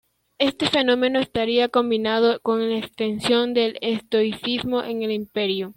Este fenómeno estaría combinado con la extensión del estoicismo en el Imperio.